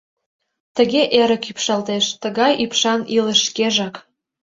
Тыге эрык ӱпшалтеш, тыгай ӱпшан илыш шкежак.